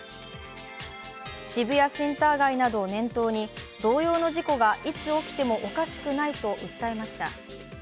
渋谷センター街などを念頭に、同様の事故がいつ起きてもおかしくないと訴えました。